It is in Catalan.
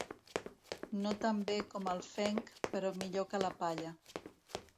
No tan bé com el fenc, però millor que la palla.